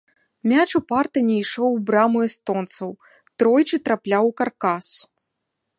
Мяч упарта не ішоў у браму эстонцаў, тройчы трапляў у каркас.